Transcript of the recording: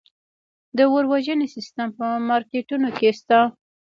د اور وژنې سیستم په مارکیټونو کې شته؟